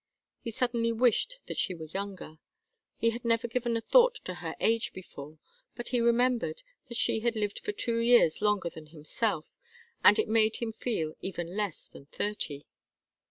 He suddenly wished that she were younger. He had never given a thought to her age before, but he remembered that she had lived for two years longer than himself, and it made him feel even less than thirty.